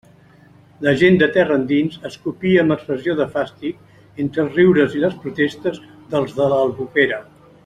La gent de terra endins escopia amb expressió de fàstic, entre els riures i les protestes dels de l'Albufera.